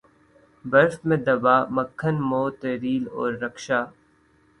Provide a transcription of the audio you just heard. برف میں دبا مکھن موت ریل اور رکشا